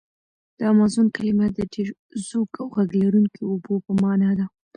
د امازون کلمه د ډېر زوږ او غږ لرونکي اوبو په معنا ده.